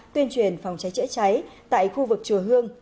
tuyên truyền phòng cháy chữa cháy tại khu vực chùa hương